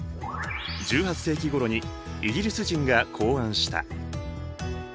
１８世紀ごろにイギリス人が考案した。